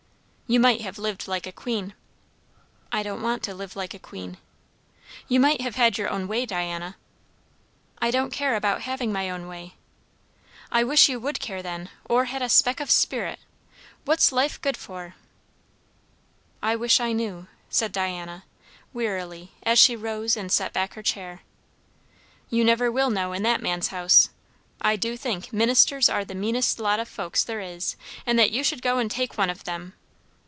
"You might have lived like a queen." "I don't want to live like a queen." "You might have had your own way, Diana." "I don't care about having my own way." "I wish you would care, then, or had a speck of spirit. What's life good for?" "I wish I knew" said Diana wearily, as she rose and set back her chair. "You never will know, in that man's house. I do think, ministers are the meanest lot o' folks there is; and that you should go and take one of them!"